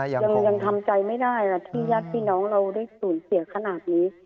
ยังทำใจไม่ได้ที่ญาติพี่น้องเราได้สูญเสียขนาดนี้